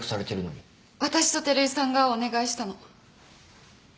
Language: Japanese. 私と照井さんがお願いしたの。